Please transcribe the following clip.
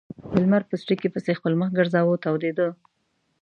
د لمر په څړیکې پسې خپل مخ ګرځاوه تودېده.